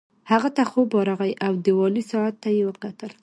هغه ته خوب ورغی او دیوالي ساعت ته یې وکتل